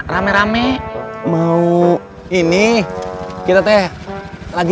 sampai jumpa lagi